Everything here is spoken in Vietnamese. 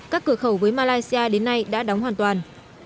các cửa khẩu với malaysia đến nay đã đóng hoàn toàn